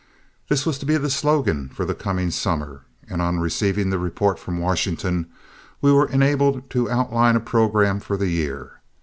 This was to be the slogan for the coming summer, and, on receiving the report from Washington, we were enabled to outline a programme for the year.